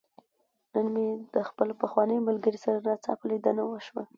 نن مې د خپل پخواني ملګري سره ناڅاپه ليدنه وشوه.